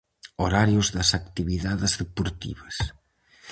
Horarios das actividades deportivas.